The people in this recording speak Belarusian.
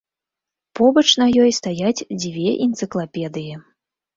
Побач на ёй стаяць дзве энцыклапедыі.